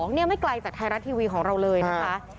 นี่ไม่ไกลจากไทยรัฐทีวีของเราเลยนะคะ